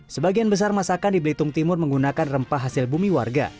sebagian besar masakan di belitung timur menggunakan rempah hasil bumi warga